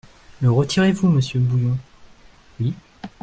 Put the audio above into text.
Le retirez-vous, monsieur Bouillon ? Oui.